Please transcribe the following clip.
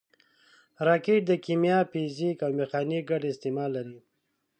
راکټ د کیمیا، فزیک او میخانیک ګډ استعمال لري